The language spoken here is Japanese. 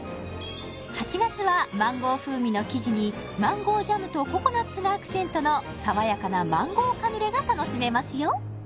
８月はマンゴー風味の生地にマンゴージャムとココナッツがアクセントの爽やかなマンゴーカヌレが楽しめますよ